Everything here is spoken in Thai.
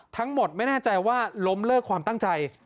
ทั้งหมดไม่แน่ใจว่าล้มเลิกความตั้งใจ